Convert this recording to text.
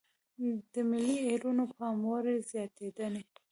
د ملي ايرونو پاموړ زياتېدنې.